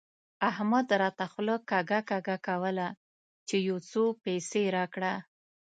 احمد راته خوله کږه کږه کوله چې يو څو پيسې راکړه.